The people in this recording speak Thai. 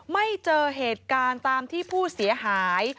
ไม่เจอเหตุการณ์ตามที่ผู้เสียหาย